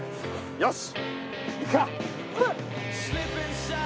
よし。